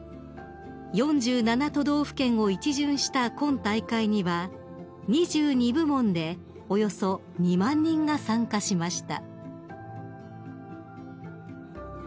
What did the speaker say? ［４７都道府県を一巡した今大会には２２部門でおよそ２万人が参加しました］